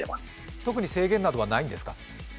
特に制限などはないんですか？